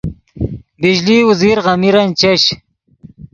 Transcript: بجلی اوزیر غمیرن چش